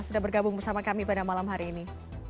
sudah bergabung bersama kami pada malam hari ini